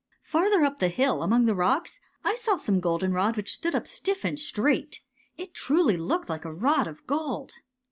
'^ Farther up the hill, among the rocks, I saw some goldenrod which stood up stiff and straight. It truly looked like a rod of gold."